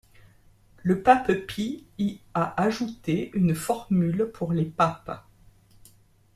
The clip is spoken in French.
Le pape Pie y a ajouté une formule pour les papes.